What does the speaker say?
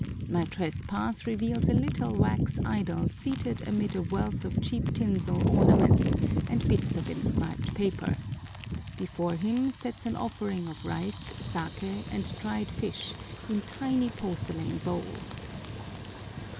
My trespass reveals a little wax idol seated amid a wealth of cheap tinsel ornaments, and bits of inscribed paper. Before him sets an offering of rice, sake, and dried fish in tiny porcelain bowls.